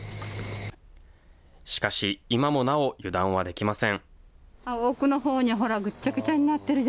しかし、今もなお油断はできません。